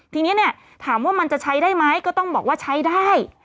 ทีนี้เนี่ยถามว่ามันจะใช้ได้ไหมก็ต้องบอกว่าใช้ได้